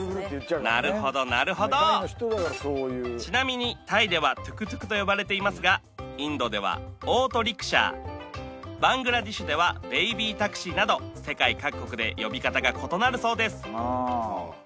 なるほどなるほどちなみにタイではトゥクトゥクと呼ばれていますがインドではオートリクシャーバングラデシュではベイビータクシーなど世界各国で呼び方が異なるそうです